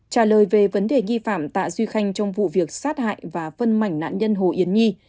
trả lời về vấn đề nghi phạm tạ duy khanh trong vụ việc sát hại và phân mảnh nạn nhân hồ yến nhi